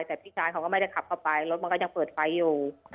แต่พี่ชายเขาก็ไม่ได้ขับเข้าไปรถมันก็ยังเปิดไฟอยู่